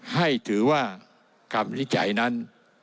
ให้ถือว่าคำวินิจฉัยนั้น